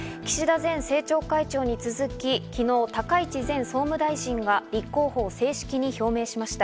前政調会長に続き、昨日、高市前総務大臣が立候補を正式に表明しました。